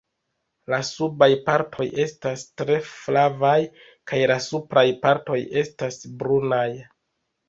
La subaj partoj estas tre flavaj kaj la supraj partoj estas brunaj.